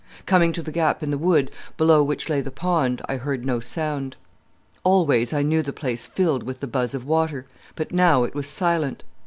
"Coming to the gap in the wood, below which lay the pond, I heard no sound. Always I knew the place filled with the buzz of water, but now it was silent.